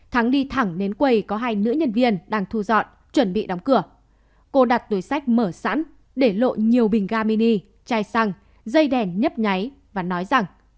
thắng đi thẳng đến quầy có hai nữ nhân viên đang thu dọn chuẩn bị đóng cửa cô đặt túi sách mở sẵn để lộ nhiều bình ga mini chai xăng dây đèn nhấp nháy và nói rằng